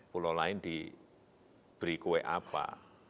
pulau lain diberi kue apa